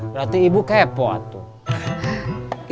berarti ibu kepo tuh